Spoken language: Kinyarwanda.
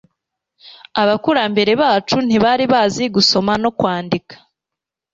abakurambere bacuntibatari bazi gusoma no kwandika